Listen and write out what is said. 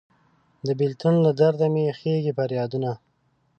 د بیلتون له درد مې خیژي پریادونه